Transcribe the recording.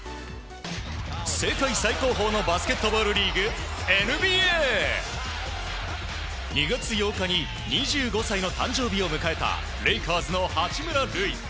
世界最高峰のバスケットボールリーグＮＢＡ。２月８日２５歳の誕生日を迎えたレイカーズの八村塁。